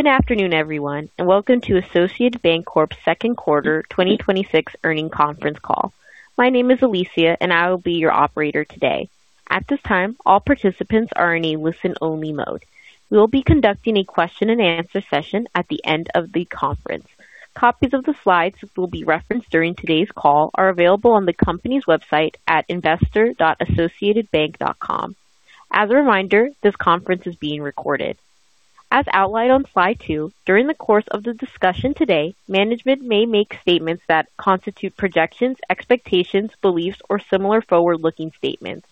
Good afternoon, everyone, and welcome to Associated Banc-Corp's second quarter 2026 earnings conference call. My name is Alicia, and I will be your operator today. At this time, all participants are in a listen-only mode. We will be conducting a question-and-answer session at the end of the conference. Copies of the slides that will be referenced during today's call are available on the company's website at investor.associatedbank.com. As a reminder, this conference is being recorded. As outlined on slide two, during the course of the discussion today, management may make statements that constitute projections, expectations, beliefs, or similar forward-looking statements.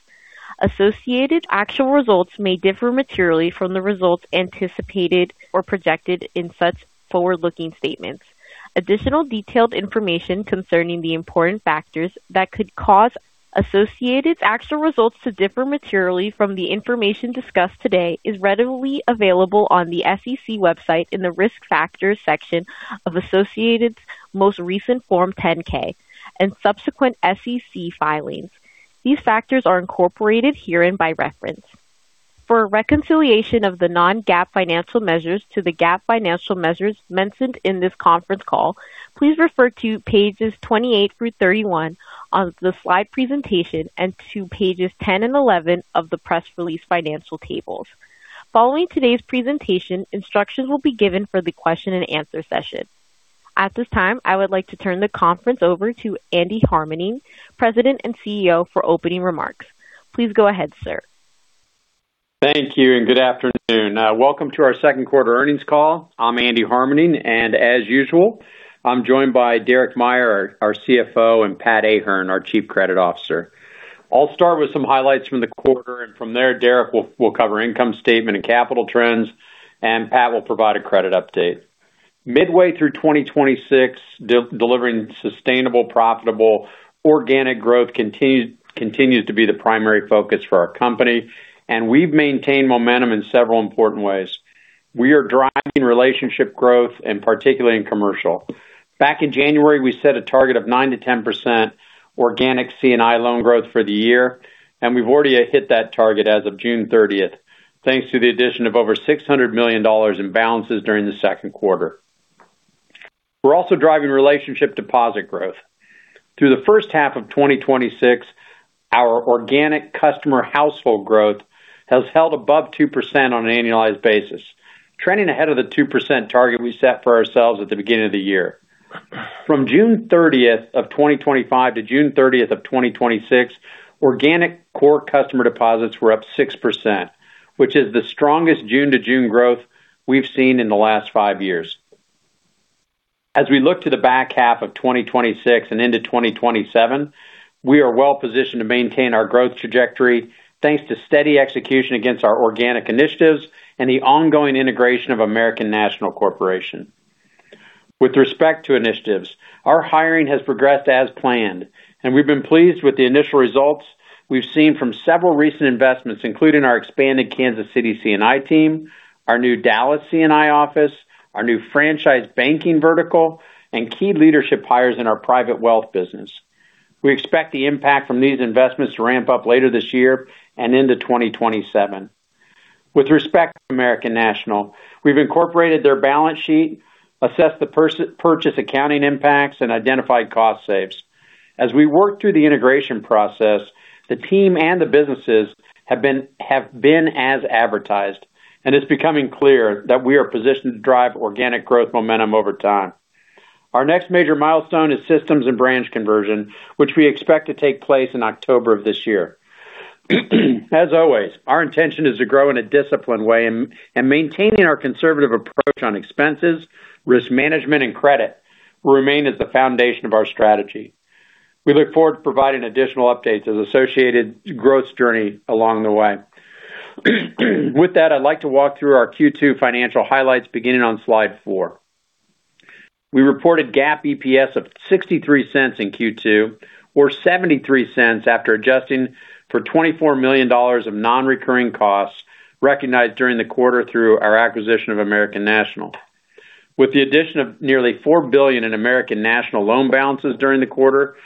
Associated's actual results may differ materially from the results anticipated or projected in such forward-looking statements. Additional detailed information concerning the important factors that could cause Associated's actual results to differ materially from the information discussed today is readily available on the SEC website in the Risk Factors section of Associated's most recent Form 10-K and subsequent SEC filings. These factors are incorporated herein by reference. For a reconciliation of the non-GAAP financial measures to the GAAP financial measures mentioned in this conference call, please refer to pages 28 through 31 of the slide presentation and to pages 10 and 11 of the press release financial tables. Following today's presentation, instructions will be given for the question-and-answer session. At this time, I would like to turn the conference over to Andy Harmening, President and CEO, for opening remarks. Please go ahead, sir. Thank you, and good afternoon. Welcome to our second quarter earnings call. I am Andy Harmening, and as usual, I am joined by Derek Meyer, our CFO, and Pat Ahern, our Chief Credit Officer. I will start with some highlights from the quarter, and from there, Derek will cover income statement and capital trends, and Pat will provide a credit update. Midway through 2026, delivering sustainable, profitable organic growth continues to be the primary focus for our company, and we have maintained momentum in several important ways. We are driving relationship growth, and particularly in commercial. Back in January, we set a target of 9%-10% organic C&I loan growth for the year, and we have already hit that target as of June 30th, thanks to the addition of over $600 million in balances during the second quarter. We are also driving relationship deposit growth. Through the first half of 2026, our organic customer household growth has held above 2% on an annualized basis, trending ahead of the 2% target we set for ourselves at the beginning of the year. From June 30th of 2025 to June 30th of 2026, organic core customer deposits were up 6%, which is the strongest June to June growth we have seen in the last five years. As we look to the back half of 2026 and into 2027, we are well positioned to maintain our growth trajectory thanks to steady execution against our organic initiatives and the ongoing integration of American National Corporation. With respect to initiatives, our hiring has progressed as planned. We've been pleased with the initial results we've seen from several recent investments, including our expanded Kansas City C&I team, our new Dallas C&I office, our new Franchise Banking vertical, and key leadership hires in our private wealth business. We expect the impact from these investments to ramp up later this year and into 2027. With respect to American National, we've incorporated their balance sheet, assessed the purchase accounting impacts, and identified cost saves. As we work through the integration process, the team and the businesses have been as advertised. It's becoming clear that we are positioned to drive organic growth momentum over time. Our next major milestone is systems and branch conversion, which we expect to take place in October of this year. As always, our intention is to grow in a disciplined way. Maintaining our conservative approach on expenses, risk management, and credit will remain as the foundation of our strategy. We look forward to providing additional updates as Associated's growth journey along the way. With that, I'd like to walk through our Q2 financial highlights beginning on slide four. We reported GAAP EPS of $0.63 in Q2 or $0.73 after adjusting for $24 million of non-recurring costs recognized during the quarter through our acquisition of American National. With the addition of nearly $4 billion in American National loan balances during the quarter,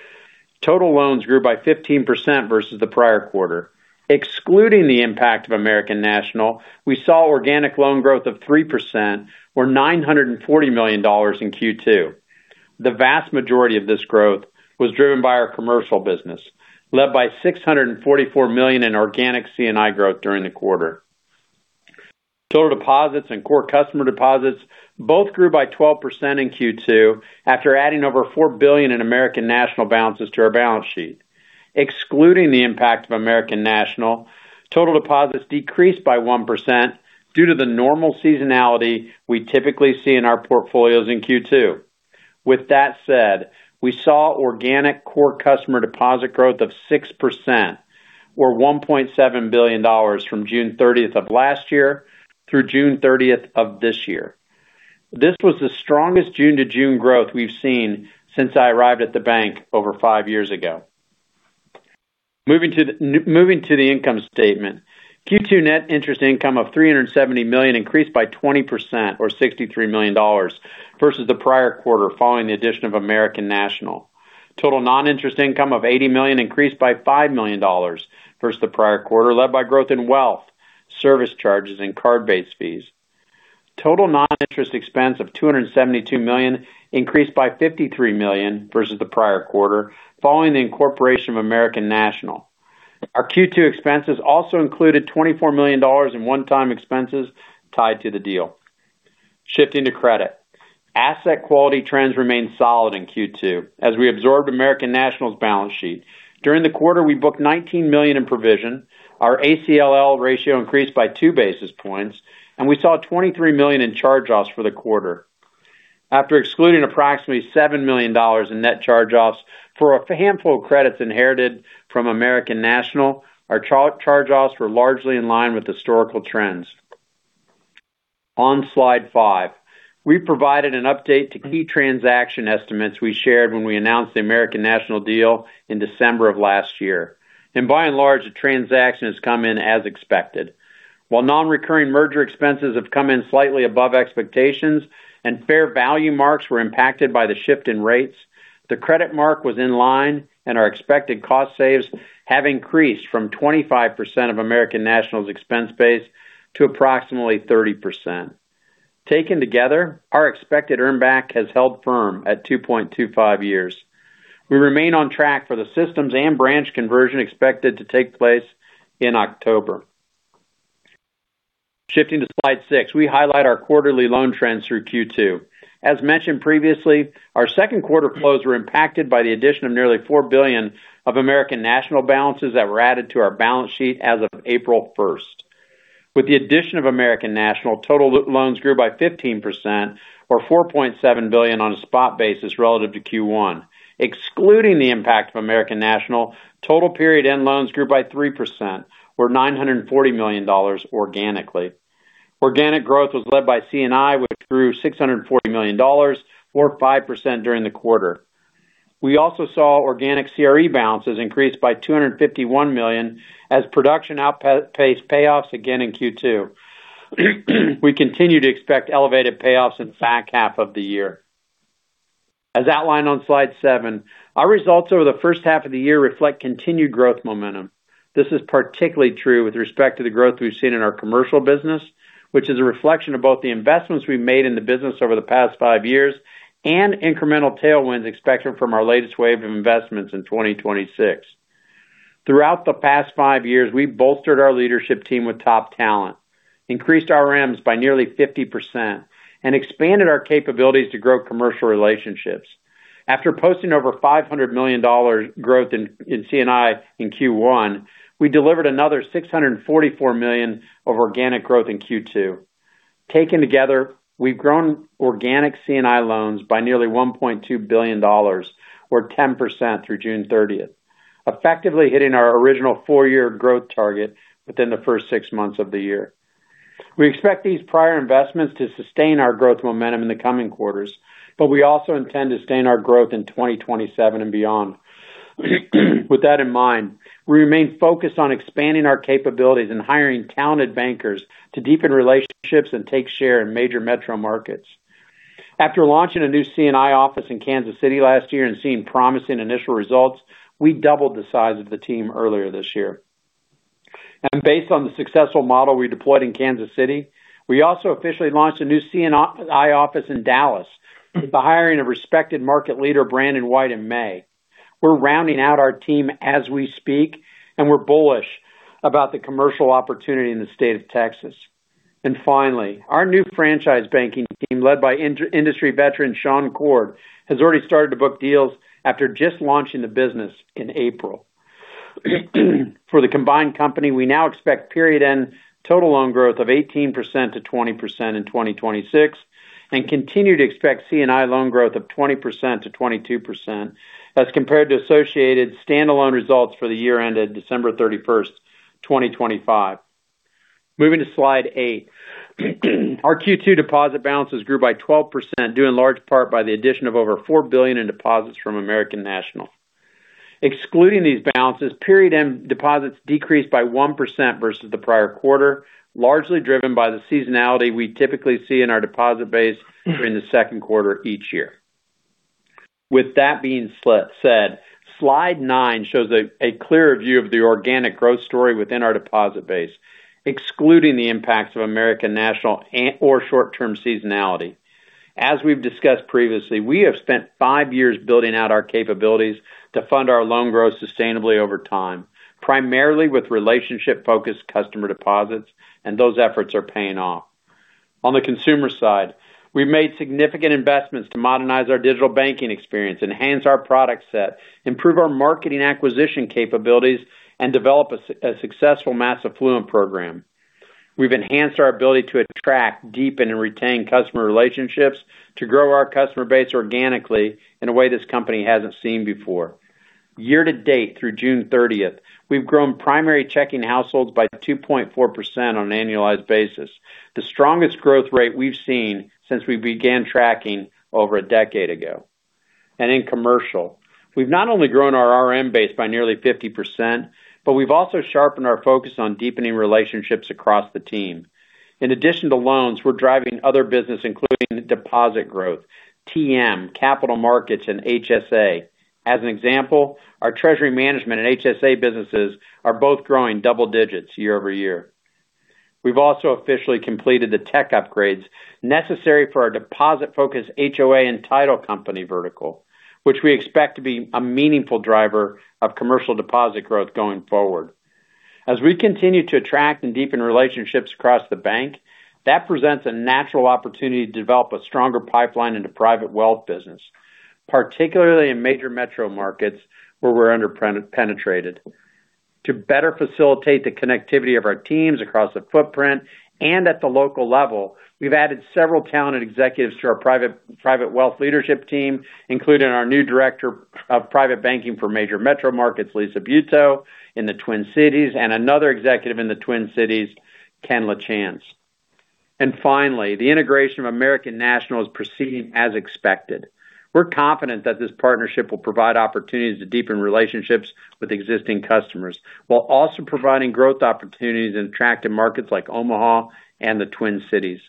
total loans grew by 15% versus the prior quarter. Excluding the impact of American National, we saw organic loan growth of 3% or $940 million in Q2. The vast majority of this growth was driven by our commercial business, led by $644 million in organic C&I growth during the quarter. Total deposits and core customer deposits both grew by 12% in Q2 after adding over $4 billion in American National balances to our balance sheet. Excluding the impact of American National, total deposits decreased by 1% due to the normal seasonality we typically see in our portfolios in Q2. With that said, we saw organic core customer deposit growth of 6% or $1.7 billion from June 30th of last year through June 30th of this year. This was the strongest June to June growth we've seen since I arrived at the bank over five years ago. Moving to the income statement. Q2 net interest income of $370 million increased by 20% or $63 million versus the prior quarter following the addition of American National. Total non-interest income of $80 million increased by $5 million versus the prior quarter, led by growth in wealth, service charges, and card-based fees. Total non-interest expense of $272 million increased by $53 million versus the prior quarter, following the incorporation of American National. Our Q2 expenses also included $24 million in one-time expenses tied to the deal. Shifting to credit. Asset quality trends remained solid in Q2 as we absorbed American National's balance sheet. During the quarter, we booked $19 million in provision. Our ACL ratio increased by 2 basis points. We saw $23 million in charge-offs for the quarter. After excluding approximately $7 million in net charge-offs for a handful of credits inherited from American National, our charge-offs were largely in line with historical trends. On slide five, we provided an update to key transaction estimates we shared when we announced the American National deal in December of last year. By and large, the transaction has come in as expected. While non-recurring merger expenses have come in slightly above expectations and fair value marks were impacted by the shift in rates, the credit mark was in line, and our expected cost saves have increased from 25% of American National's expense base to approximately 30%. Taken together, our expected earn back has held firm at 2.25 years. We remain on track for the systems and branch conversion expected to take place in October. Shifting to slide six, we highlight our quarterly loan trends through Q2. As mentioned previously, our second quarter flows were impacted by the addition of nearly $4 billion of American National balances that were added to our balance sheet as of April 1st. With the addition of American National, total loans grew by 15%, or $4.7 billion on a spot basis relative to Q1. Excluding the impact of American National, total period end loans grew by 3%, or $940 million organically. Organic growth was led by C&I, which grew $640 million or 5% during the quarter. We also saw organic CRE balances increase by $251 million as production outpaced payoffs again in Q2. We continue to expect elevated payoffs in the back half of the year. As outlined on slide seven, our results over the first half of the year reflect continued growth momentum. This is particularly true with respect to the growth we've seen in our commercial business, which is a reflection of both the investments we've made in the business over the past five years and incremental tailwinds expected from our latest wave of investments in 2026. Throughout the past five years, we've bolstered our leadership team with top talent, increased our RMs by nearly 50%, and expanded our capabilities to grow commercial relationships. After posting over $500 million growth in C&I in Q1, we delivered another $644 million of organic growth in Q2. Taken together, we've grown organic C&I loans by nearly $1.2 billion or 10% through June 30th. Effectively hitting our original full-year growth target within the first six months of the year. We expect these prior investments to sustain our growth momentum in the coming quarters, but we also intend to sustain our growth in 2027 and beyond. With that in mind, we remain focused on expanding our capabilities and hiring talented bankers to deepen relationships and take share in major metro markets. After launching a new C&I office in Kansas City last year and seeing promising initial results, we doubled the size of the team earlier this year. Based on the successful model we deployed in Kansas City, we also officially launched a new C&I office in Dallas by hiring a respected market leader, Brandon White, in May. We're rounding out our team as we speak, and we're bullish about the commercial opportunity in the state of Texas. Finally, our new franchise banking team, led by industry veteran Shaun Coard, has already started to book deals after just launching the business in April. For the combined company, we now expect period end total loan growth of 18%-20% in 2026 and continue to expect C&I loan growth of 20%-22%, as compared to Associated standalone results for the year ended December 31st, 2025. Moving to slide eight. Our Q2 deposit balances grew by 12%, due in large part by the addition of over $4 billion in deposits from American National. Excluding these balances, period end deposits decreased by 1% versus the prior quarter, largely driven by the seasonality we typically see in our deposit base during the second quarter each year. With that being said, slide nine shows a clearer view of the organic growth story within our deposit base, excluding the impacts of American National or short-term seasonality. As we've discussed previously, we have spent five years building out our capabilities to fund our loan growth sustainably over time, primarily with relationship-focused customer deposits, and those efforts are paying off. On the consumer side, we've made significant investments to modernize our digital banking experience, enhance our product set, improve our marketing acquisition capabilities, and develop a successful mass affluent program. We've enhanced our ability to attract, deepen, and retain customer relationships to grow our customer base organically in a way this company hasn't seen before. Year-to-date, through June 30th, we've grown primary checking households by 2.4% on an annualized basis. The strongest growth rate we've seen since we began tracking over a decade ago. In commercial, we've not only grown our RM base by nearly 50%, but we've also sharpened our focus on deepening relationships across the team. In addition to loans, we're driving other business including deposit growth, TM, capital markets, and HSA. As an example, our treasury management and HSA businesses are both growing double digits year-over-year. We've also officially completed the tech upgrades necessary for our deposit-focused HOA and title company vertical, which we expect to be a meaningful driver of commercial deposit growth going forward. As we continue to attract and deepen relationships across the bank, that presents a natural opportunity to develop a stronger pipeline into private wealth business, particularly in major metro markets where we're under-penetrated. To better facilitate the connectivity of our teams across the footprint and at the local level, we've added several talented executives to our private wealth leadership team, including our new director of private banking for major metro markets, Lisa Buetow in the Twin Cities, and another executive in the Twin Cities, Ken LaChance. Finally, the integration of American National is proceeding as expected. We're confident that this partnership will provide opportunities to deepen relationships with existing customers, while also providing growth opportunities in attractive markets like Omaha and the Twin Cities.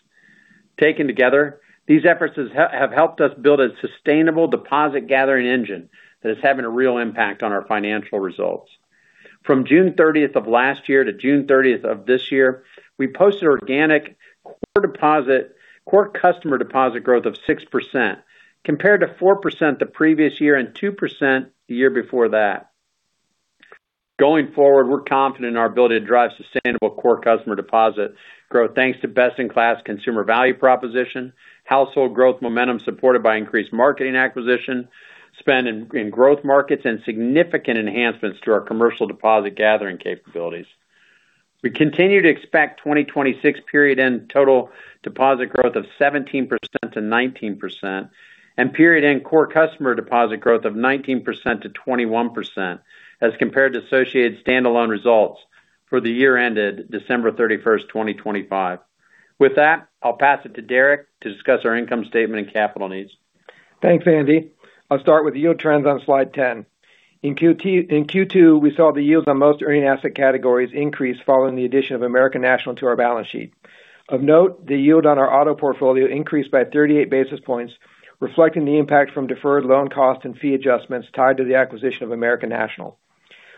Taken together, these efforts have helped us build a sustainable deposit-gathering engine that is having a real impact on our financial results. From June 30th of last year to June 30th of this year, we posted organic core customer deposit growth of 6%, compared to 4% the previous year and 2% the year before that. Going forward, we're confident in our ability to drive sustainable core customer deposit growth thanks to best-in-class consumer value proposition, household growth momentum supported by increased marketing acquisition, spend in growth markets, and significant enhancements to our commercial deposit gathering capabilities. We continue to expect 2026 period-end total deposit growth of 17%-19%, and period-end core customer deposit growth of 19%-21%, as compared to Associated standalone results for the year ended December 31st, 2025. With that, I'll pass it to Derek to discuss our income statement and capital needs. Thanks, Andy. I'll start with yield trends on slide 10. In Q2, we saw the yields on most earning asset categories increase following the addition of American National to our balance sheet. Of note, the yield on our auto portfolio increased by 38 basis points, reflecting the impact from deferred loan costs and fee adjustments tied to the acquisition of American National.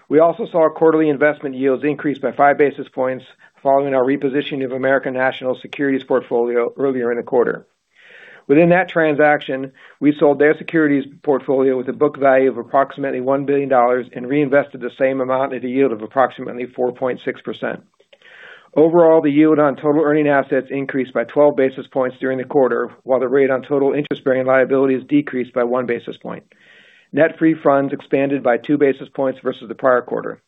We also saw quarterly investment yields increase by 5 basis points following our repositioning of American National's securities portfolio earlier in the quarter. Within that transaction, we sold their securities portfolio with a book value of approximately $1 billion and reinvested the same amount at a yield of approximately 4.6%. Overall, the yield on total earning assets increased by 12 basis points during the quarter, while the rate on total interest-bearing liabilities decreased by 1 basis point. Net free funds expanded by 2 basis points versus the prior quarter.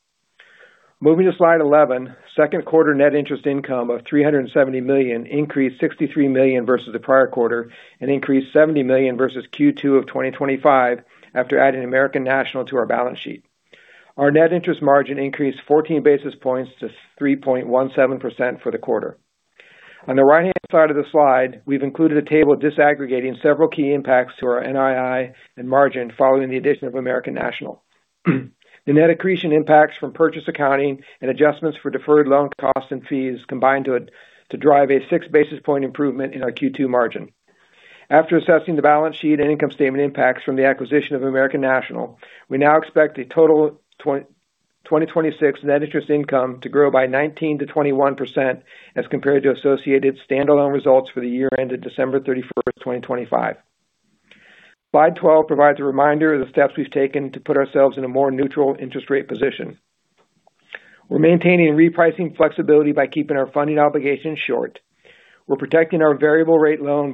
Moving to slide 11, second quarter net interest income of $370 million increased $63 million versus the prior quarter and increased $70 million versus Q2 of 2025 after adding American National to our balance sheet. Our net interest margin increased 14 basis points to 3.17% for the quarter. On the right-hand side of the slide, we've included a table disaggregating several key impacts to our NII and margin following the addition of American National. The net accretion impacts from purchase accounting and adjustments for deferred loan costs and fees combined to drive a 6-basis point improvement in our Q2 margin. After assessing the balance sheet and income statement impacts from the acquisition of American National, we now expect a total 2026 net interest income to grow by 19%-21% as compared to Associated standalone results for the year ended December 31st, 2025. Slide 12 provides a reminder of the steps we've taken to put ourselves in a more neutral interest rate position. We're maintaining repricing flexibility by keeping our funding obligations short. We're protecting our variable rate loan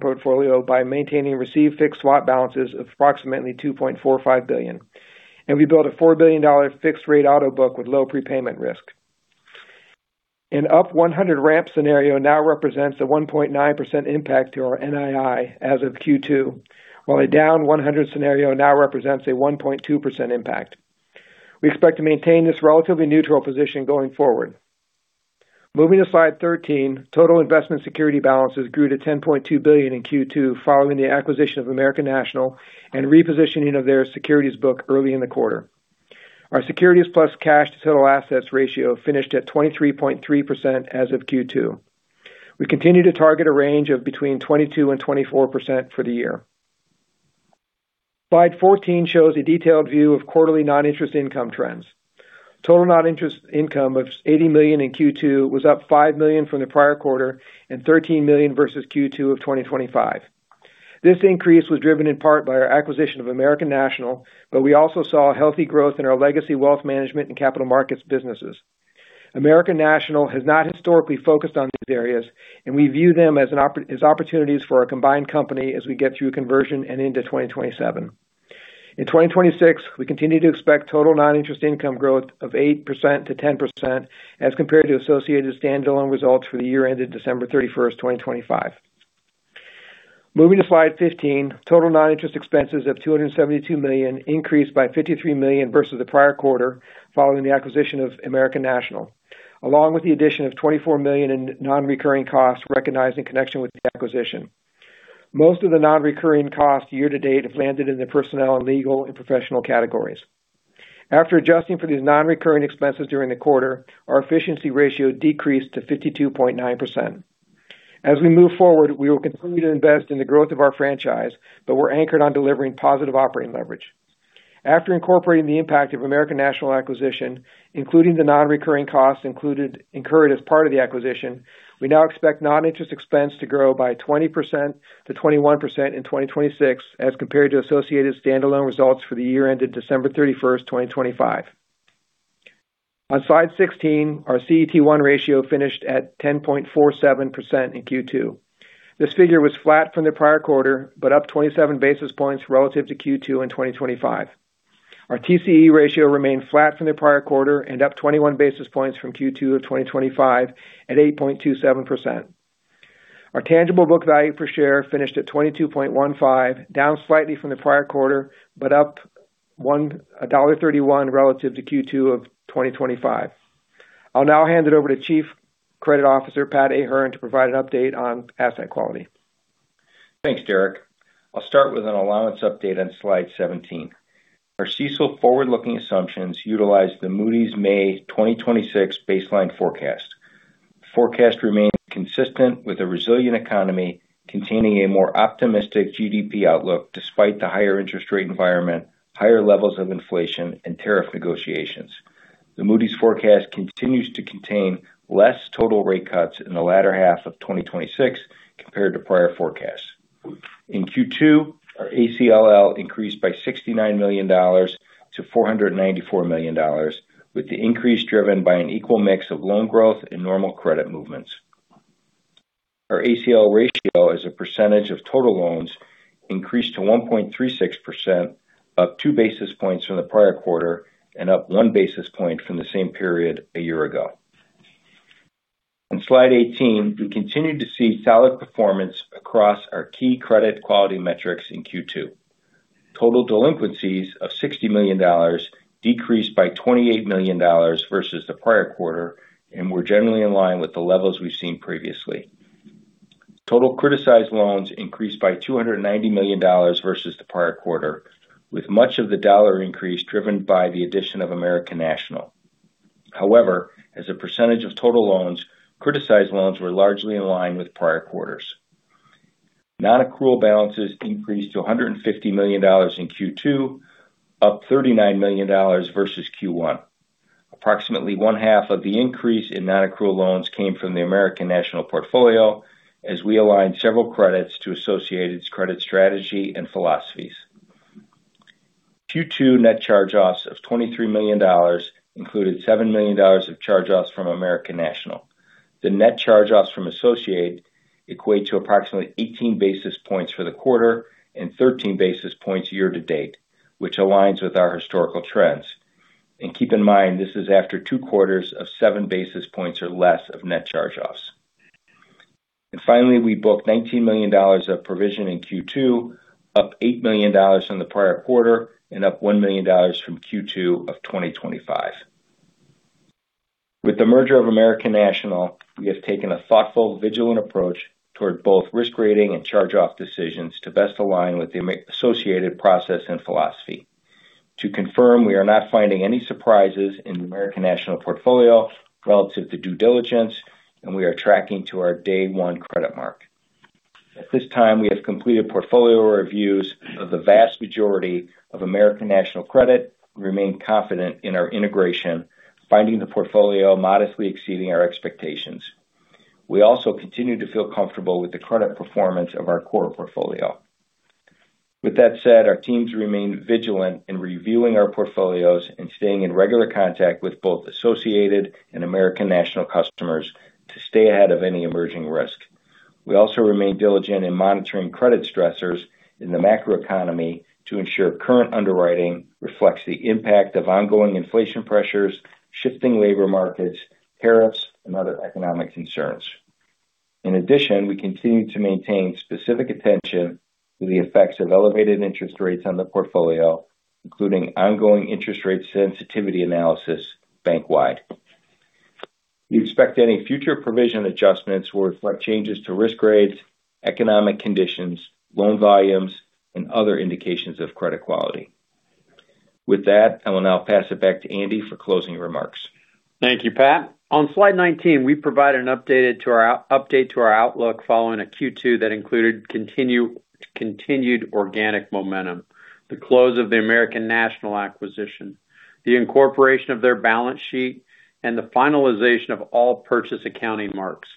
portfolio by maintaining received fixed swap balances of approximately $2.45 billion. We built a $4 billion fixed rate auto book with low prepayment risk. An up 100 ramp scenario now represents a 1.9% impact to our NII as of Q2, while a down 100 scenario now represents a 1.2% impact. We expect to maintain this relatively neutral position going forward. Moving to slide 13, total investment security balances grew to $10.2 billion in Q2 following the acquisition of American National and repositioning of their securities book early in the quarter. Our securities plus cash to total assets ratio finished at 23.3% as of Q2. We continue to target a range of between 22% and 24% for the year. Slide 14 shows a detailed view of quarterly non-interest income trends. Total non-interest income of $80 million in Q2 was up $5 million from the prior quarter and $13 million versus Q2 of 2025. This increase was driven in part by our acquisition of American National. We also saw a healthy growth in our legacy wealth management and capital markets businesses. American National has not historically focused on these areas, and we view them as opportunities for our combined company as we get through conversion and into 2027. In 2026, we continue to expect total non-interest income growth of 8%-10% as compared to Associated's standalone results for the year ended December 31st, 2025. Moving to slide 15, total non-interest expenses of $272 million increased by $53 million versus the prior quarter following the acquisition of American National, along with the addition of $24 million in non-recurring costs recognized in connection with the acquisition. Most of the non-recurring costs year-to-date have landed in the personnel and legal and professional categories. After adjusting for these non-recurring expenses during the quarter, our efficiency ratio decreased to 52.9%. As we move forward, we will continue to growth of our franchise, but we're anchored on delivering positive operating leverage. After incorporating the impact of American National acquisition, including the non-recurring costs incurred as part of the acquisition, we now expect non-interest expense to grow by 20%-21% in 2026 as compared to Associated's standalone results for the year ended December 31st, 2025. On slide 16, our CET1 ratio finished at 10.47% in Q2. This figure was flat from the prior quarter, up 27 basis points relative to Q2 in 2025. Our TCE ratio remained flat from the prior quarter and up 21 basis points from Q2 of 2025 at 8.27%. Our tangible book value per share finished at $22.15, down slightly from the prior quarter, up $1.31 relative to Q2 of 2025. I'll now hand it over to Chief Credit Officer Pat Ahern to provide an update on asset quality. Thanks, Derek. I'll start with an allowance update on slide 17. Our CECL forward-looking assumptions utilized the Moody's May 2026 baseline forecast. Forecast remains consistent with a resilient economy containing a more optimistic GDP outlook despite the higher interest rate environment, higher levels of inflation and tariff negotiations. Moody's forecast continues to contain less total rate cuts in the latter half of 2026 compared to prior forecasts. In Q2, our ACL increased by $69 million-$494 million, with the increase driven by an equal mix of loan growth and normal credit movements. Our ACL ratio as a percentage of total loans increased to 1.36%, up 2 basis points from the prior quarter and up 1 basis point from the same period a year ago. On slide 18, we continue to see solid performance across our key credit quality metrics in Q2. Total delinquencies of $60 million decreased by $28 million versus the prior quarter, and were generally in line with the levels we've seen previously. Total criticized loans increased by $290 million versus the prior quarter, with much of the dollar increase driven by the addition of American National. However, as a percentage of total loans, criticized loans were largely in line with prior quarters. Non-accrual balances increased to $150 million in Q2, up $39 million versus Q1. Approximately one half of the increase in non-accrual loans came from the American National portfolio as we aligned several credits to Associated's credit strategy and philosophies. Q2 net charge-offs of $23 million included $7 million of charge-offs from American National. The net charge-offs from Associated equate to approximately 18 basis points for the quarter and 13 basis points year-to-date, which aligns with our historical trends. Keep in mind, this is after two quarters of 7 basis points or less of net charge-offs. Finally, we booked $19 million of provision in Q2, up $8 million from the prior quarter and up $1 million from Q2 of 2025. With the merger of American National, we have taken a thoughtful, vigilant approach toward both risk rating and charge-off decisions to best align with the Associated process and philosophy. To confirm, we are not finding any surprises in the American National portfolio relative to due diligence, and we are tracking to our day one credit mark. At this time, we have completed portfolio reviews of the vast majority of American National Credit and remain confident in our integration, finding the portfolio modestly exceeding our expectations. We also continue to feel comfortable with the credit performance of our core portfolio. With that said, our teams remain vigilant in reviewing our portfolios and staying in regular contact with both Associated and American National customers to stay ahead of any emerging risk. We also remain diligent in monitoring credit stressors in the macroeconomy to ensure current underwriting reflects the impact of ongoing inflation pressures, shifting labor markets, tariffs, and other economic concerns. In addition, we continue to maintain specific attention to the effects of elevated interest rates on the portfolio, including ongoing interest rate sensitivity analysis bank wide. We expect any future provision adjustments will reflect changes to risk grades, economic conditions, loan volumes, and other indications of credit quality. With that, I will now pass it back to Andy for closing remarks. Thank you, Pat. On slide 19, we provide an update to our outlook following a Q2 that included continued organic momentum, the close of the American National acquisition, the incorporation of their balance sheet, and the finalization of all purchase accounting marks.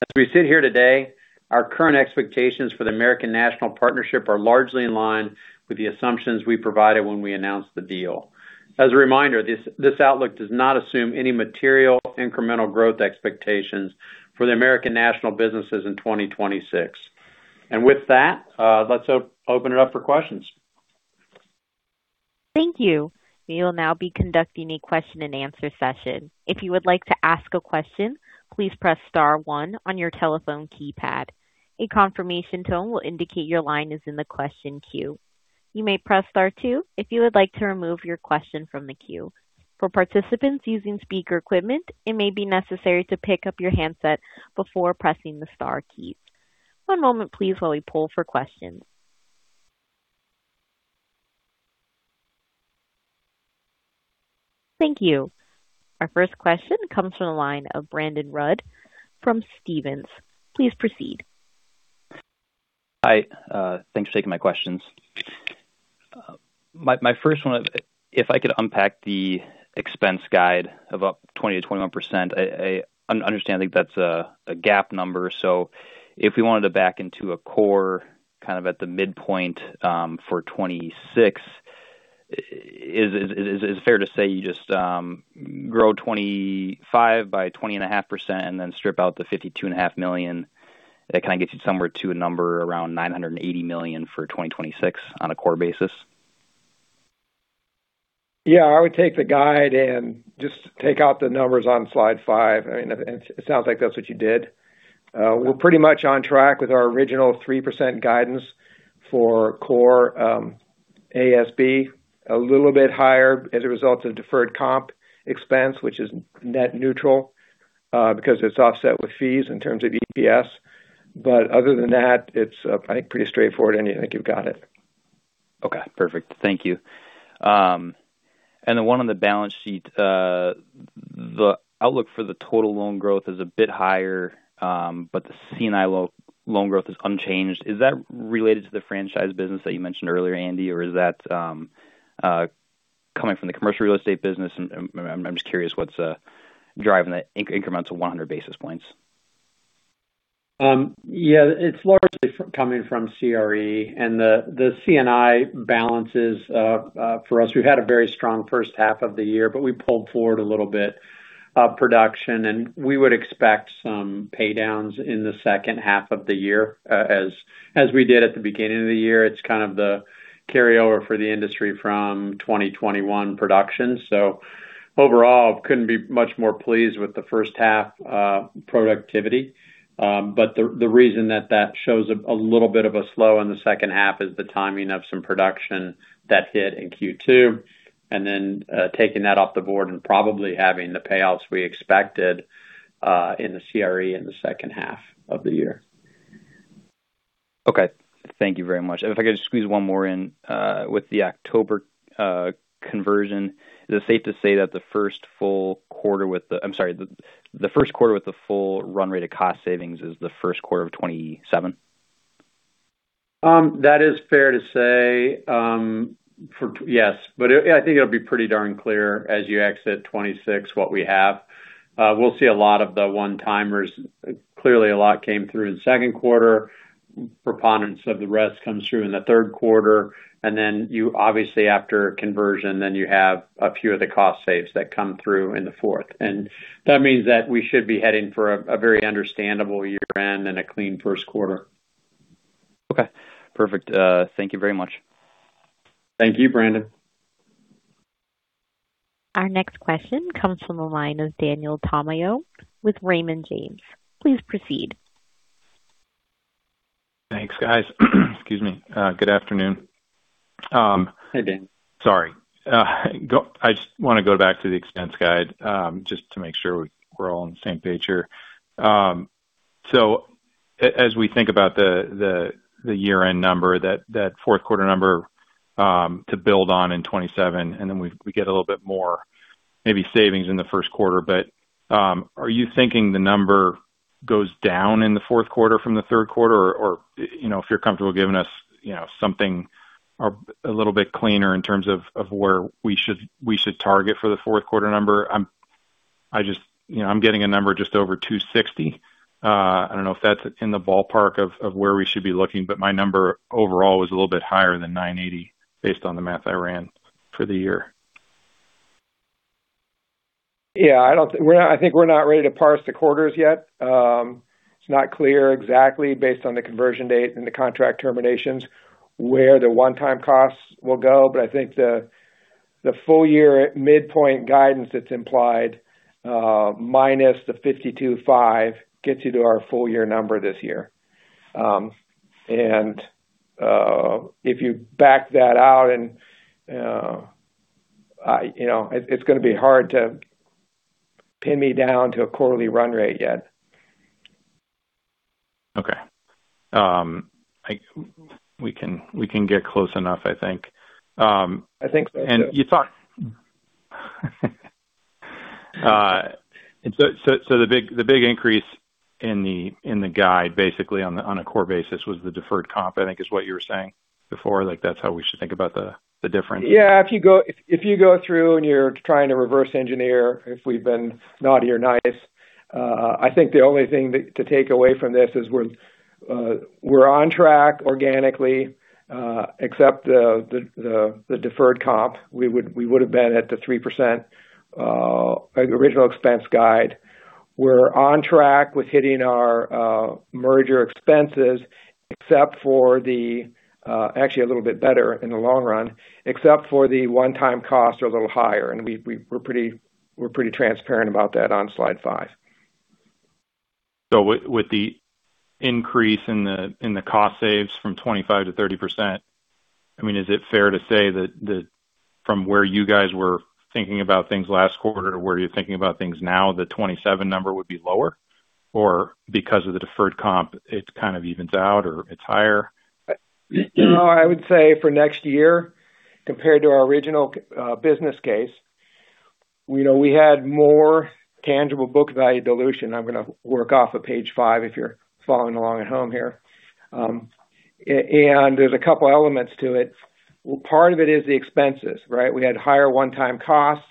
As we sit here today, our current expectations for the American National Partnership are largely in line with the assumptions we provided when we announced the deal. As a reminder, this outlook does not assume any material incremental growth expectations for the American National businesses in 2026. With that, let's open it up for questions. Thank you. We will now be conducting a question-and-answer session. If you would like to ask a question, please press star one on your telephone keypad. A confirmation tone will indicate your line is in the question queue. You may press star two if you would like to remove your question from the queue. For participants using speaker equipment, it may be necessary to pick up your handset before pressing the star keys. One moment please, while we poll for questions. Thank you. Our first question comes from the line of Brandon Rudd from Stephens. Please proceed. Hi. Thanks for taking my questions. My first one, if I could unpack the expense guide of up 20%-21%. I understand, I think that's a GAAP number. If we wanted to back into a core kind of at the midpoint for 2026, is it fair to say you just grow 2025 by 20.5% and then strip out the $52.5 million? That kind of gets you somewhere to a number around $980 million for 2026 on a core basis. Yeah, I would take the guide and just take out the numbers on slide five. It sounds like that's what you did. We're pretty much on track with our original 3% guidance for core ASB. A little bit higher as a result of deferred comp expense, which is net neutral because it's offset with fees in terms of EPS. Other than that, it's, I think, pretty straightforward, Andy. I think you've got it. Okay, perfect. Thank you. One on the balance sheet. The outlook for the total loan growth is a bit higher, but the C&I loan growth is unchanged. Is that related to the franchise business that you mentioned earlier, Andy, or is that coming from the commercial real estate business? I'm just curious what's driving the increments of 100 basis points. Yeah, it's largely coming from CRE and the C&I balances for us. We've had a very strong first half of the year, but we pulled forward a little bit of production, and we would expect some pay downs in the second half of the year as we did at the beginning of the year. It's kind of the carryover for the industry from 2021 production. Overall, couldn't be much more pleased with the first half productivity. The reason that that shows a little bit of a slow in the second half is the timing of some production that hit in Q2, and then taking that off the board and probably having the payouts we expected in the CRE in the second half of the year. Okay. Thank you very much. If I could just squeeze one more in. With the October conversion, is it safe to say that the first quarter with the full run rate of cost savings is the first quarter of 2027? That is fair to say. Yes, I think it'll be pretty darn clear as you exit 2026 what we have. We'll see a lot of the one-timers. Clearly, a lot came through in the second quarter. Preponderance of the rest comes through in the third quarter. Then you obviously, after conversion, then you have a few of the cost saves that come through in the fourth. That means that we should be heading for a very understandable year-end and a clean first quarter. Okay, perfect. Thank you very much. Thank you, Brandon. Our next question comes from the line of Daniel Tamayo with Raymond James. Please proceed. Thanks, guys. Excuse me. Good afternoon. Hi, Dan. Sorry. I just want to go back to the expense guide, just to make sure we're all on the same page here. As we think about the year-end number, that fourth quarter number to build on in 2027, then we get a little bit more maybe savings in the first quarter. Are you thinking the number goes down in the fourth quarter from the third quarter? Or if you're comfortable giving us something a little bit cleaner in terms of where we should target for the fourth quarter number. I'm getting a number just over $260. I don't know if that's in the ballpark of where we should be looking, but my number overall was a little bit higher than $980 based on the math I ran for the year. Yeah, I think we're not ready to parse the quarters yet. It's not clear exactly based on the conversion dates and the contract terminations where the one-time costs will go. I think the full year midpoint guidance that's implied, minus the $52.5, gets you to our full year number this year. If you back that out, it's going to be hard to pin me down to a quarterly run rate yet. Okay. We can get close enough, I think. I think so too. You thought. The big increase in the guide basically on a core basis was the deferred comp, I think is what you were saying before. Like that's how we should think about the difference? Yeah. If you go through and you're trying to reverse engineer if we've been naughty or nice, I think the only thing to take away from this is we're on track organically except the deferred comp. We would have been at the 3% original expense guide. We're on track with hitting our merger expenses, actually a little bit better in the long run, except for the one-time costs are a little higher. We're pretty transparent about that on slide five. With the increase in the cost saves from 25%-30% Is it fair to say that from where you guys were thinking about things last quarter to where you're thinking about things now, the 27 number would be lower? Because of the deferred comp, it kind of evens out or it's higher? No, I would say for next year, compared to our original business case, we had more tangible book value dilution. I'm going to work off of page five if you're following along at home here. There's a couple elements to it. Part of it is the expenses, right? We had higher one-time costs.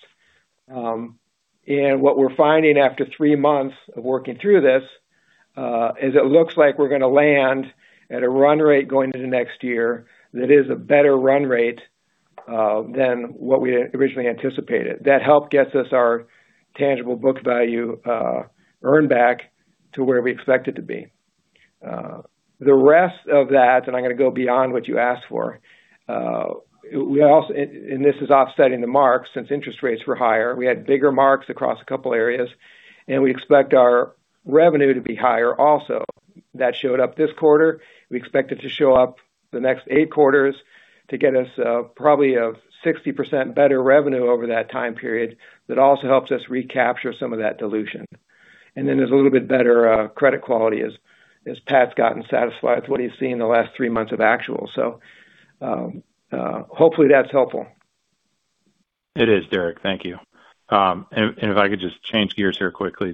What we're finding after three months of working through this, is it looks like we're going to land at a run rate going into next year that is a better run rate than what we originally anticipated. That help gets us our tangible book value earn back to where we expect it to be. The rest of that, I'm going to go beyond what you asked for. This is offsetting the marks since interest rates were higher. We had bigger marks across a couple areas. We expect our revenue to be higher also. That showed up this quarter. We expect it to show up the next eight quarters to get us probably a 60% better revenue over that time period. That also helps us recapture some of that dilution. There's a little bit better credit quality as Pat's gotten satisfied with what he's seen in the last three months of actual. Hopefully that's helpful. It is, Derek. Thank you. If I could just change gears here quickly.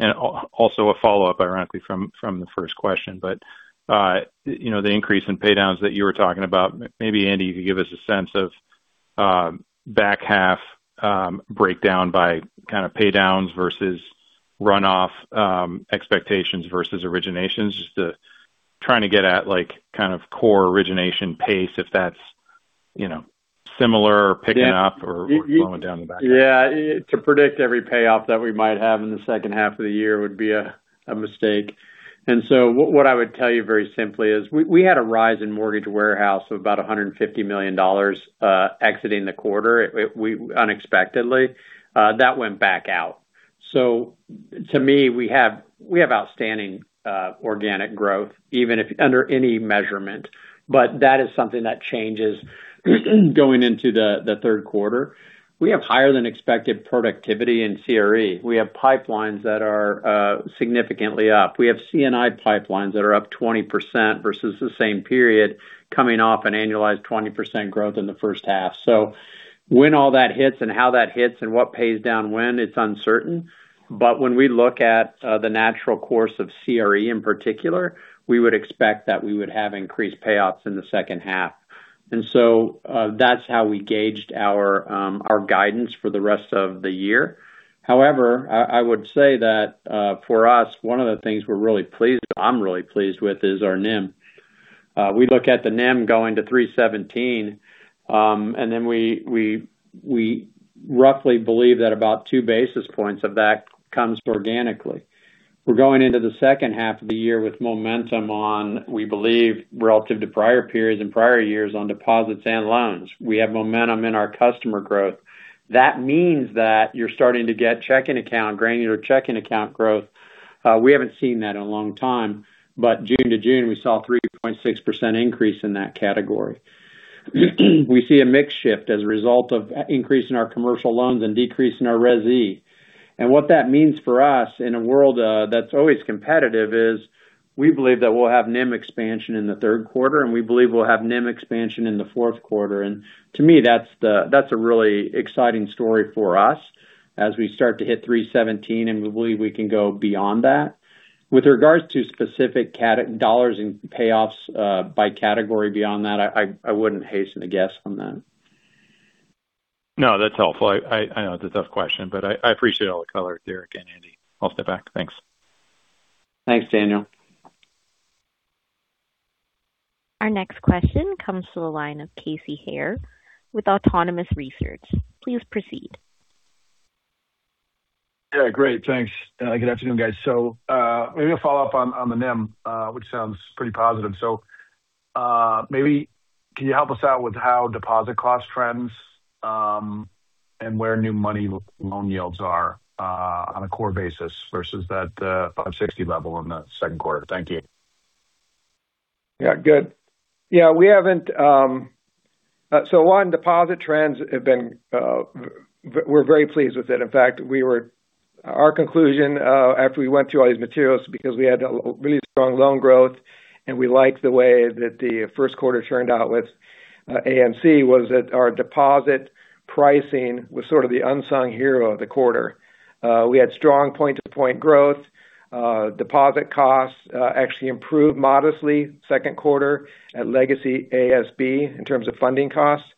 Also a follow-up, ironically, from the first question. The increase in pay-downs that you were talking about, maybe Andy, you could give us a sense of back-half breakdown by pay-downs versus runoff expectations versus originations. Just trying to get at core origination pace, if that's similar or picking up or going down the back? Yeah. To predict every payoff that we might have in the second half of the year would be a mistake. What I would tell you very simply is we had a rise in mortgage warehouse of about $150 million exiting the quarter unexpectedly. That went back out. To me, we have outstanding organic growth even under any measurement. That is something that changes going into the third quarter. We have higher than expected productivity in CRE. We have pipelines that are significantly up. We have C&I pipelines that are up 20% versus the same period coming off an annualized 20% growth in the first half. When all that hits and how that hits and what pays down when, it's uncertain. When we look at the natural course of CRE in particular, we would expect that we would have increased payoffs in the second half. That's how we gauged our guidance for the rest of the year. However, I would say that for us, one of the things I'm really pleased with is our NIM. We look at the NIM going to 3.17%. We roughly believe that about 2 basis points of that comes organically. We're going into the second half of the year with momentum on, we believe, relative to prior periods and prior years on deposits and loans. We have momentum in our customer growth. That means that you're starting to get granular checking account growth. We haven't seen that in a long time. June to June, we saw a 3.6% increase in that category. We see a mix shift as a result of increase in our commercial loans and decrease in our resi. What that means for us in a world that's always competitive is we believe that we'll have NIM expansion in the third quarter, and we believe we'll have NIM expansion in the fourth quarter. To me, that's a really exciting story for us as we start to hit 3.17%, and we believe we can go beyond that. With regards to specific dollars in payoffs by category beyond that, I wouldn't hasten to guess on that. No, that's helpful. I know it's a tough question, but I appreciate all the color, Derek and Andy. I'll step back. Thanks. Thanks, Daniel. Our next question comes to the line of Casey Haire with Autonomous Research. Please proceed. Great. Thanks. Good afternoon, guys. Maybe a follow-up on the NIM, which sounds pretty positive. Maybe can you help us out with how deposit cost trends and where new money loan yields are on a core basis versus that 560 level in the second quarter? Thank you. One, deposit trends have been. We're very pleased with it. In fact, our conclusion after we went through all these materials because we had a really strong loan growth and we liked the way that the first quarter turned out with ANC was that our deposit pricing was sort of the unsung hero of the quarter. We had strong point-to-point growth. Deposit costs actually improved modestly second quarter at Legacy ASB in terms of funding costs.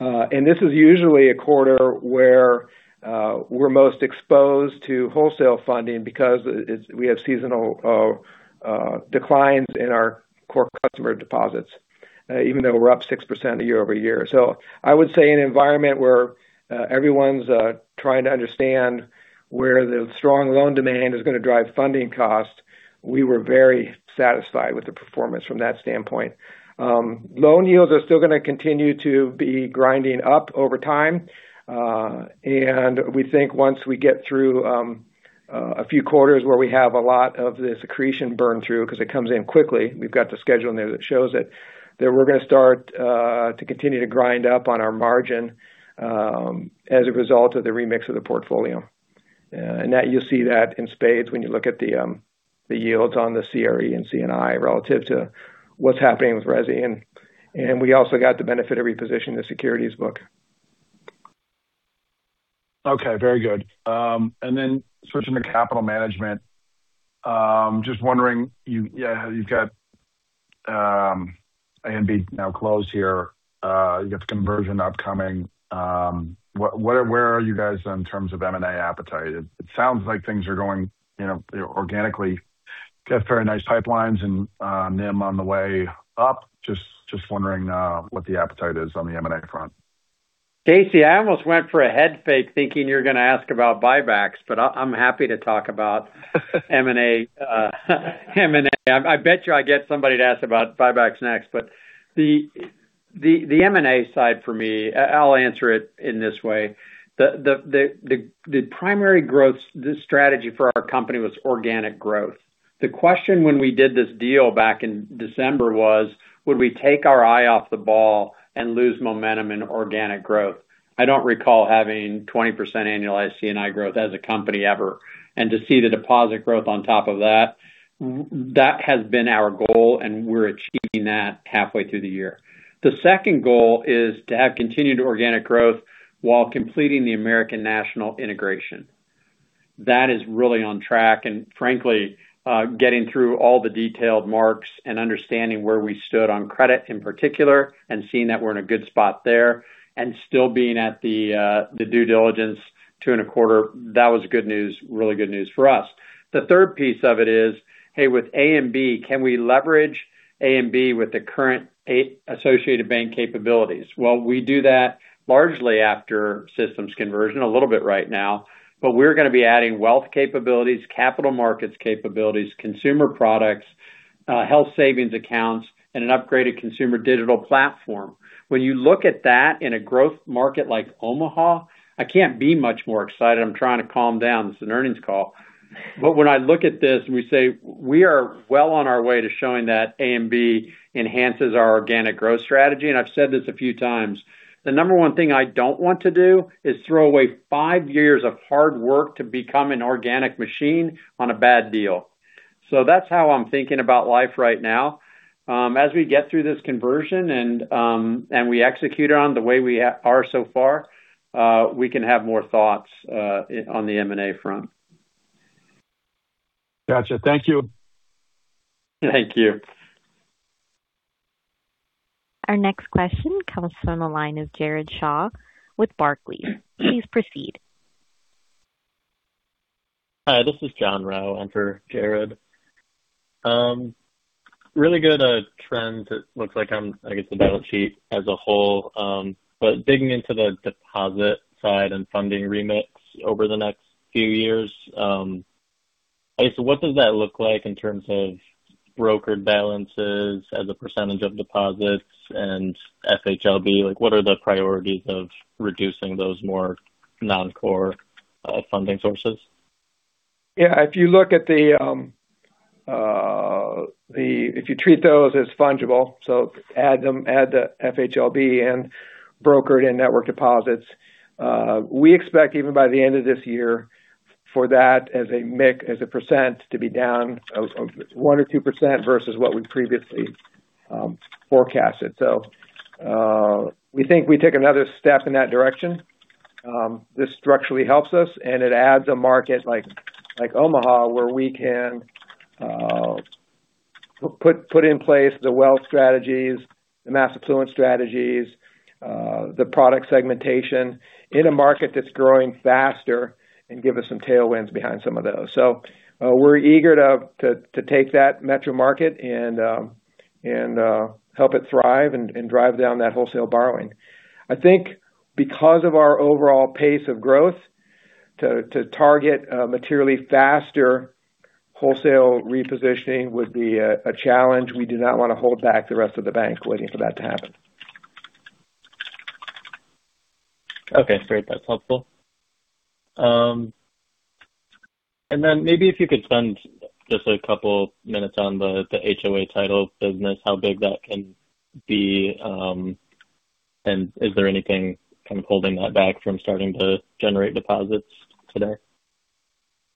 This is usually a quarter where we're most exposed to wholesale funding because we have seasonal declines in our core customer deposits, even though we're up 6% year-over-year. I would say in an environment where everyone's trying to understand where the strong loan demand is going to drive funding costs, we were very satisfied with the performance from that standpoint. Loan yields are still going to continue to be grinding up over time. We think once we get through A few quarters where we have a lot of this accretion burn through because it comes in quickly. We've got the schedule in there that shows it. We're going to start to continue to grind up on our margin as a result of the remix of the portfolio. You'll see that in spades when you look at the yields on the CRE and C&I relative to what's happening with resi. We also got the benefit of reposition the securities book. Okay, very good. Switching to capital management. Just wondering, you've got ANB now closed here. You've got the conversion upcoming. Where are you guys in terms of M&A appetite? It sounds like things are going organically. Got very nice pipelines and NIM on the way up. Just wondering what the appetite is on the M&A front. Casey, I almost went for a head fake thinking you were going to ask about buybacks. I'm happy to talk about M&A. I bet you I get somebody to ask about buybacks next. The M&A side for me, I'll answer it in this way. The primary growth strategy for our company was organic growth. The question when we did this deal back in December was, would we take our eye off the ball and lose momentum in organic growth? I don't recall having 20% annualized C&I growth as a company ever. To see the deposit growth on top of that has been our goal, and we're achieving that halfway through the year. The second goal is to have continued organic growth while completing the American National integration. That is really on track, frankly, getting through all the detailed marks and understanding where we stood on credit in particular, and seeing that we're in a good spot there and still being at the due diligence two and a quarter, that was good news. Really good news for us. The third piece of it is, hey, with ANB, can we leverage ANB with the current Associated Bank capabilities? We do that largely after systems conversion, a little bit right now. We're going to be adding wealth capabilities, capital markets capabilities, consumer products, health savings accounts, and an upgraded consumer digital platform. When you look at that in a growth market like Omaha, I can't be much more excited. I'm trying to calm down. This is an earnings call. When I look at this and we say we are well on our way to showing that ANB enhances our organic growth strategy, and I've said this a few times. The number one thing I don't want to do is throw away five years of hard work to become an organic machine on a bad deal. That's how I'm thinking about life right now. As we get through this conversion and we execute on the way we are so far, we can have more thoughts on the M&A front. Got you. Thank you. Thank you. Our next question comes from the line of Jared Shaw with Barclays. Please proceed. Hi, this is John Rao in for Jared. Really good trends it looks like on, I guess, the balance sheet as a whole. Digging into the deposit side and funding remix over the next few years. I guess what does that look like in terms of brokered balances as a percentage of deposits and FHLB? Like, what are the priorities of reducing those more non-core funding sources? Yeah, if you treat those as fungible, add the FHLB and brokered and network deposits, we expect even by the end of this year for that as a mix, as a percent, to be down one or 2% versus what we previously forecasted. We think we take another step in that direction. This structurally helps us, and it adds a market like Omaha, where we can put in place the wealth strategies, the mass affluent strategies, the product segmentation in a market that's growing faster and give us some tailwinds behind some of those. We're eager to take that metro market and help it thrive and drive down that wholesale borrowing. I think because of our overall pace of growth, to target materially faster wholesale repositioning would be a challenge. We do not want to hold back the rest of the bank waiting for that to happen. Okay, great. That's helpful. Then maybe if you could spend just a couple minutes on the HOA title business, how big that can be, and is there anything kind of holding that back from starting to generate deposits today?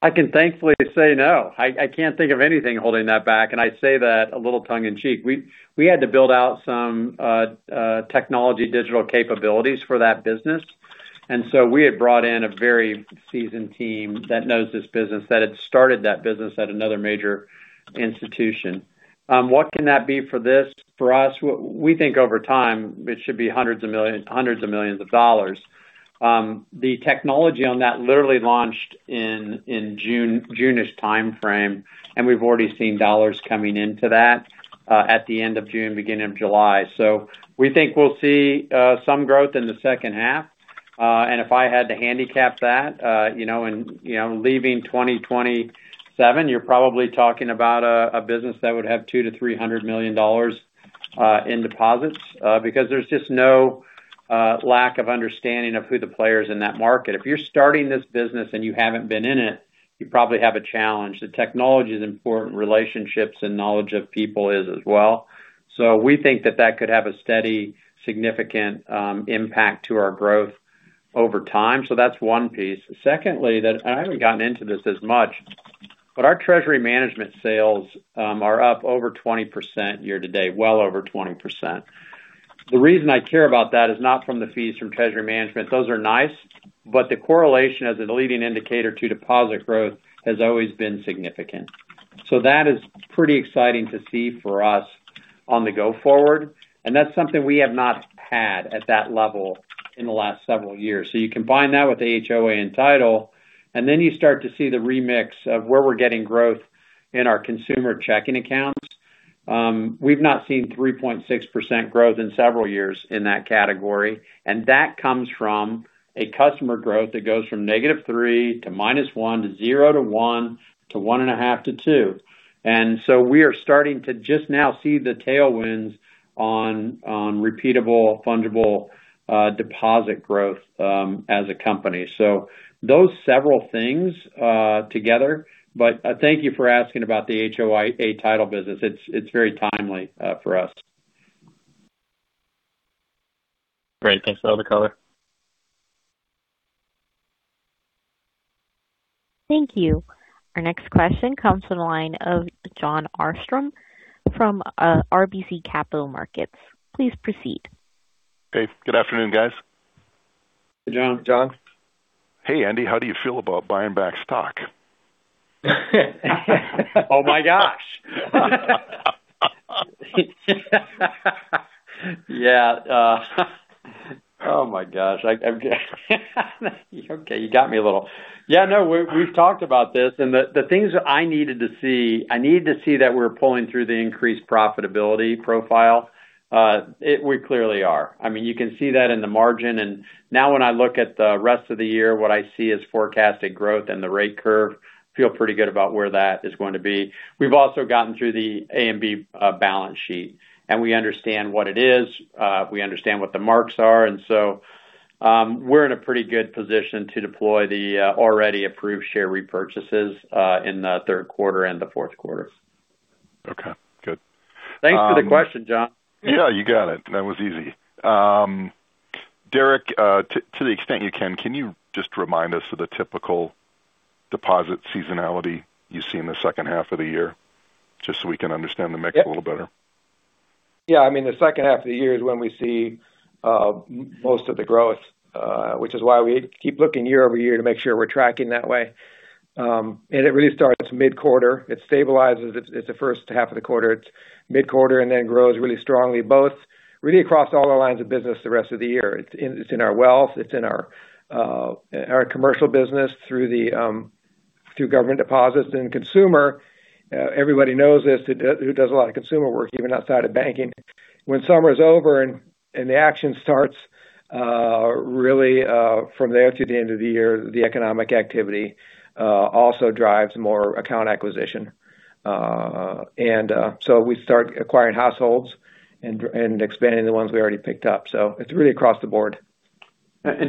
I can thankfully say no. I can't think of anything holding that back, and I say that a little tongue in cheek. We had to build out some technology digital capabilities for that business, and we had brought in a very seasoned team that knows this business, that had started that business at another major institution. What can that be for this? For us, we think over time it should be hundreds of millions of dollars. The technology on that literally launched in June-ish timeframe, and we've already seen dollars coming into that at the end of June, beginning of July. We think we'll see some growth in the second half. If I had to handicap that, and leaving 2027, you're probably talking about a business that would have $200 million-$300 million in deposits because there's just no lack of understanding of who the player is in that market. If you're starting this business and you haven't been in it, you probably have a challenge. The technology is important. Relationships and knowledge of people is as well. We think that that could have a steady, significant impact to our growth over time. That's one piece. Secondly, that I haven't gotten into this as much, but our treasury management sales are up over 20% year-to-date, well over 20%. The reason I care about that is not from the fees from treasury management. Those are nice, but the correlation as a leading indicator to deposit growth has always been significant. That is pretty exciting to see for us on the go forward, and that's something we have not had at that level in the last several years. You combine that with the HOA and title, and then you start to see the remix of where we're getting growth in our consumer checking accounts. We've not seen 3.6% growth in several years in that category, and that comes from a customer growth that goes from negative three to minus one to zero to one to one and a half to two. We are starting to just now see the tailwinds on repeatable fundable deposit growth as a company. Those several things together. Thank you for asking about the HOA title business. It's very timely for us. Great. Thanks for all the color. Thank you. Our next question comes from the line of Jon Arfstrom from RBC Capital Markets. Please proceed. Hey, good afternoon, guys. Hey, Jon. Jon. Hey, Andy, how do you feel about buying back stock? Oh, my gosh. Yeah. Oh, my gosh. Okay, you got me a little. Yeah, no, we've talked about this. The things that I needed to see, I need to see that we're pulling through the increased profitability profile. We clearly are. You can see that in the margin. Now when I look at the rest of the year, what I see is forecasted growth and the rate curve. Feel pretty good about where that is going to be. We've also gotten through the ANB balance sheet, and we understand what it is. We understand what the marks are. We're in a pretty good position to deploy the already approved share repurchases in the third quarter and the fourth quarter. Okay, good. Thanks for the question, Jon. Yeah, you got it. That was easy. Derek, to the extent you can you just remind us of the typical deposit seasonality you see in the second half of the year, just so we can understand the mix a little better? Yeah. The second half of the year is when we see most of the growth which is why we keep looking year-over-year to make sure we're tracking that way. It really starts mid-quarter. It stabilizes at the first half of the quarter. It's mid-quarter then grows really strongly, both really across all our lines of business the rest of the year. It's in our wealth, it's in our commercial business through government deposits and consumer. Everybody knows this who does a lot of consumer work, even outside of banking. When summer is over and the action starts really from there to the end of the year, the economic activity also drives more account acquisition. We start acquiring households and expanding the ones we already picked up. It's really across the board.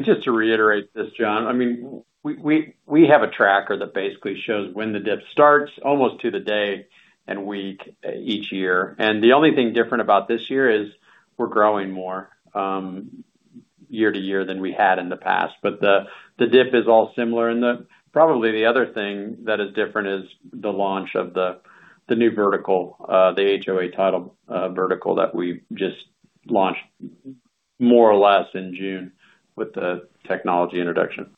Just to reiterate this, Jon, we have a tracker that basically shows when the dip starts almost to the day and week each year. The only thing different about this year is we're growing more year-to-year than we had in the past. The dip is all similar. Probably the other thing that is different is the launch of the new vertical, the HOA title vertical that we just launched more or less in June with the technology introduction.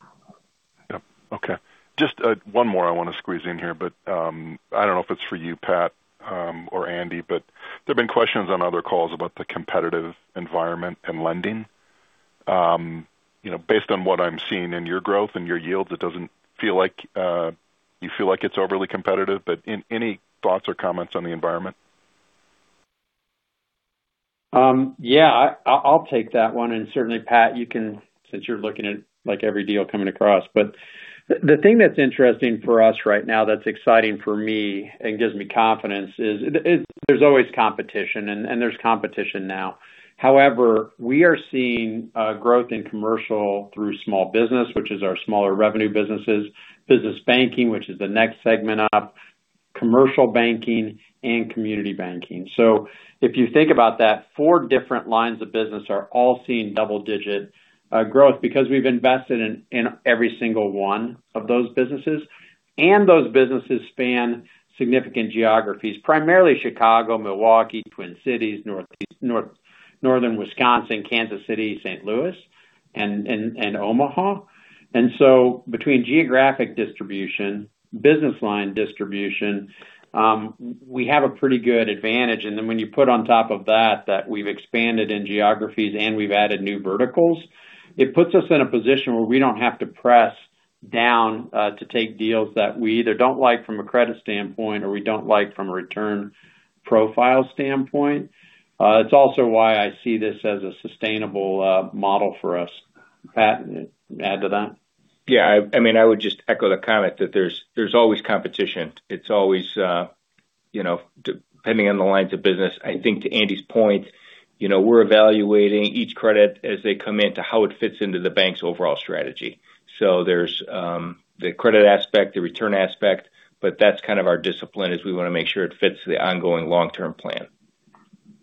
Yep. Okay. Just one more I want to squeeze in here. I don't know if it's for you, Pat or Andy. There've been questions on other calls about the competitive environment and lending. Based on what I'm seeing in your growth and your yields, it doesn't feel like you feel like it's overly competitive. Any thoughts or comments on the environment? Yeah, I'll take that one. Certainly, Pat, you can since you're looking at every deal coming across. The thing that's interesting for us right now that's exciting for me and gives me confidence is there's always competition and there's competition now. However, we are seeing growth in commercial through small business, which is our smaller revenue businesses, business banking, which is the next segment up, commercial banking, and community banking. If you think about that, four different lines of business are all seeing double digit growth because we've invested in every single one of those businesses. Those businesses span significant geographies, primarily Chicago, Milwaukee, Twin Cities, Northern Wisconsin, Kansas City, St. Louis, and Omaha. Between geographic distribution, business line distribution, we have a pretty good advantage. When you put on top of that that we've expanded in geographies and we've added new verticals, it puts us in a position where we don't have to press down to take deals that we either don't like from a credit standpoint or we don't like from a return profile standpoint. It's also why I see this as a sustainable model for us. Pat, add to that? Yeah. I would just echo the comment that there's always competition. It's always depending on the lines of business. I think to Andy's point, we're evaluating each credit as they come in to how it fits into the bank's overall strategy. There's the credit aspect, the return aspect. That's kind of our discipline, is we want to make sure it fits the ongoing long-term plan.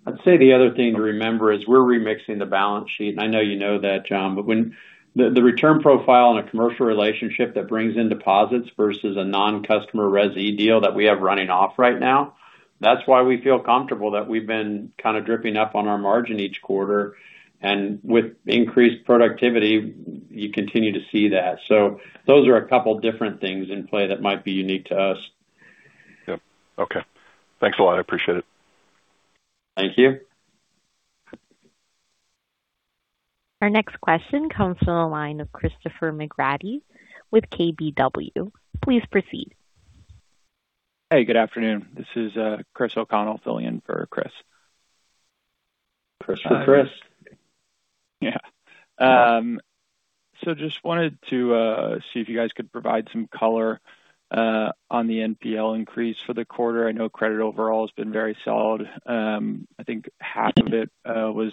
I'd say the other thing to remember is we're remixing the balance sheet, I know you know that, Jon. When the return profile on a commercial relationship that brings in deposits versus a non-customer resi deal that we have running off right now, that's why we feel comfortable that we've been kind of dripping up on our margin each quarter. With increased productivity, you continue to see that. Those are a couple different things in play that might be unique to us. Yep. Okay. Thanks a lot. I appreciate it. Thank you. Our next question comes from the line of Christopher McGratty with KBW. Please proceed. Hey, good afternoon. This is Chris O'Connell filling in for Chris. Chris for Chris. Yeah. Just wanted to see if you guys could provide some color on the NPL increase for the quarter. I know credit overall has been very solid. I think half of it was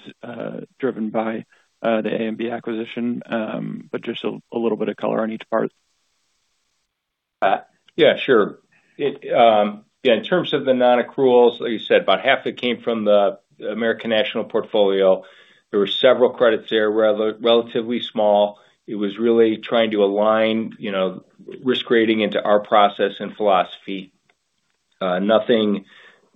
driven by the ANB acquisition. Just a little bit of color on each part? Yeah, sure. In terms of the non-accruals, like you said, about half that came from the American National portfolio. There were several credits there, relatively small. It was really trying to align risk rating into our process and philosophy. Nothing,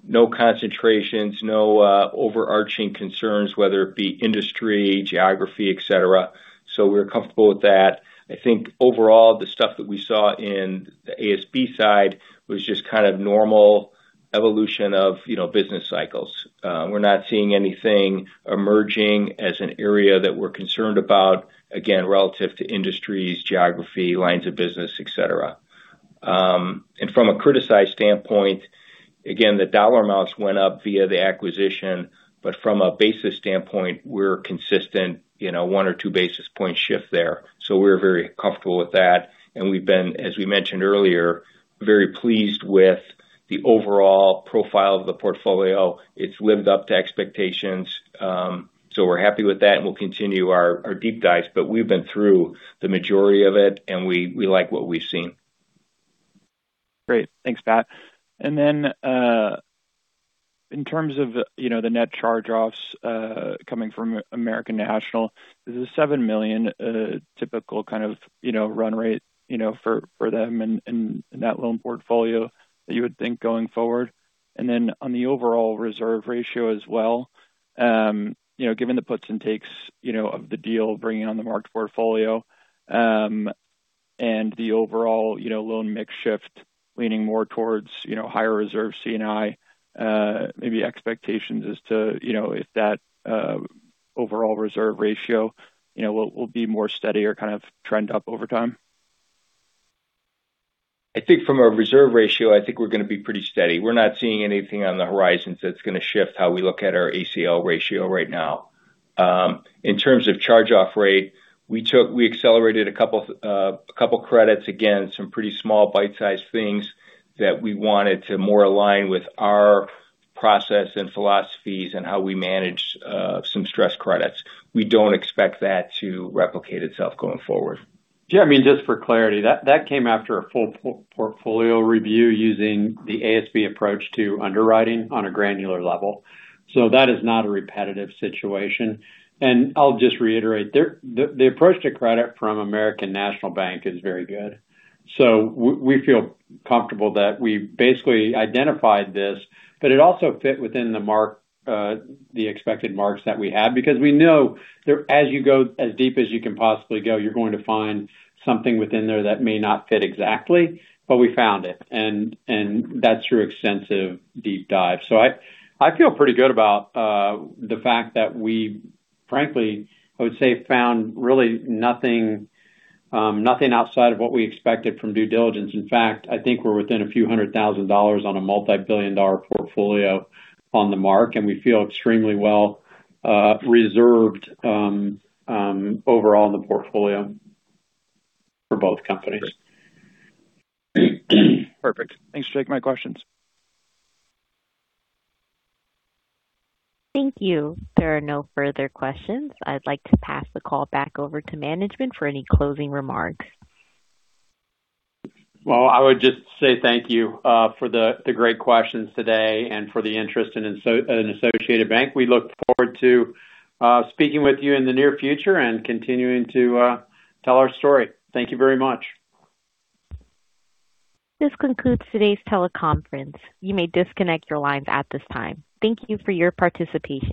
no concentrations, no overarching concerns, whether it be industry, geography, et cetera. We're comfortable with that. I think overall, the stuff that we saw in the ASB side was just kind of normal evolution of business cycles. We're not seeing anything emerging as an area that we're concerned about, again, relative to industries, geography, lines of business, et cetera. From a criticized standpoint, again, the dollar amounts went up via the acquisition, but from a basis standpoint, we're consistent, 1 basis point or 2 basis point shift there. We're very comfortable with that. We've been, as we mentioned earlier, very pleased with the overall profile of the portfolio. It's lived up to expectations. We're happy with that, and we'll continue our deep dives, but we've been through the majority of it, and we like what we've seen. Great. Thanks, Pat. In terms of the net charge-offs coming from American National, is the $7 million a typical kind of run rate for them in that loan portfolio that you would think going forward? On the overall reserve ratio as well, given the puts and takes of the deal, bringing on the marked portfolio, and the overall loan mix shift leaning more towards higher reserve C&I. Maybe expectations as to if that overall reserve ratio will be more steady or kind of trend up over time. I think from a reserve ratio, I think we're going to be pretty steady. We're not seeing anything on the horizon that's going to shift how we look at our ACL ratio right now. In terms of charge-off rate, we accelerated a couple credits. Again, some pretty small bite-sized things that we wanted to more align with our process and philosophies and how we manage some stress credits. We don't expect that to replicate itself going forward. Yeah, just for clarity, that came after a full portfolio review using the ASB approach to underwriting on a granular level. That is not a repetitive situation. I'll just reiterate, the approach to credit from American National Bank is very good. We feel comfortable that we basically identified this, but it also fit within the expected marks that we had because we know as you go as deep as you can possibly go, you're going to find something within there that may not fit exactly, but we found it. That's through extensive deep dive. I feel pretty good about the fact that we, frankly, I would say, found really nothing outside of what we expected from due diligence. In fact, I think we're within a few $100,000 on a multi-billion-dollar portfolio on the mark, and we feel extremely well reserved overall in the portfolio for both companies. Perfect. Thanks for taking my questions. Thank you. There are no further questions. I'd like to pass the call back over to management for any closing remarks. Well, I would just say thank you for the great questions today and for the interest in Associated Bank. We look forward to speaking with you in the near future and continuing to tell our story. Thank you very much. This concludes today's teleconference. You may disconnect your lines at this time. Thank you for your participation.